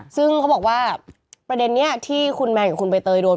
ซึ่งเขาบอกว่าประเด็นนี้ที่คุณแมนกับคุณใบเตยโดน